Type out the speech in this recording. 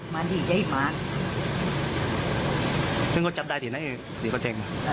มาดีใจมากซึ่งก็จับได้ที่ไหนอ่ะ